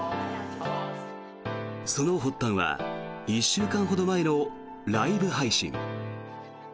その発端は１週間ほど前のライブ配信。